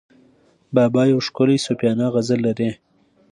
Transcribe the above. بابا یو ښکلی صوفیانه غزل لري.